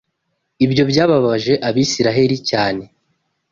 Ibyo byababaje Abisirayeli cyane